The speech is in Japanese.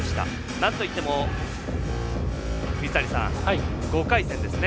なんといっても、水谷さん５回戦ですね